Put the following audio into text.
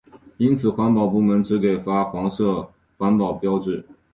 因此环保部门只发给黄色环保标志。